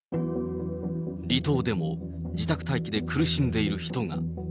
離島でも自宅待機で苦しんでいる人が。